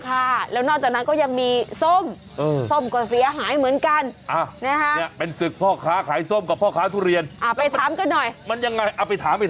ค่ะแล้วนอกจากนั้นก็ยังมี